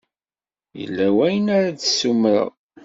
Yella wayen ara d-ssumreɣ.